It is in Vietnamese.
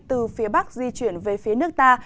từ phía bắc di chuyển về phía nước ta